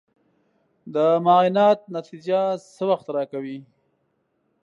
د معاینات نتیجه څه وخت راکوې؟